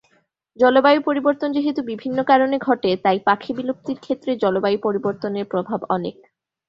জলবায়ু পরিবর্তন যেহেতু বিভিন্ন কারণে ঘটে, তাই পাখি বিলুপ্তির ক্ষেত্রে জলবায়ু পরিবর্তনের প্রভাব অনেক।